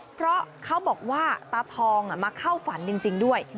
เพราะเขาบอกว่าตาทองมาเข้าฝันจริงด้วย